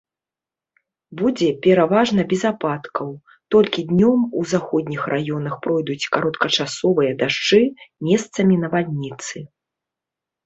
Будзе пераважна без ападкаў, толькі днём у заходніх раёнах пройдуць кароткачасовыя дажджы, месцамі навальніцы.